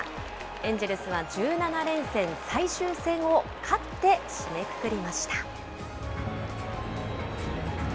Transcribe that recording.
エンジェルスは１７連戦最終戦を勝って締めくくりました。